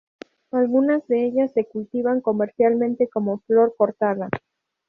Algunas de ellas se cultivan comercialmente como flor cortada.